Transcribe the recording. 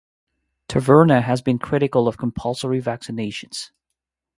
Taverna has been critical of compulsory vaccinations.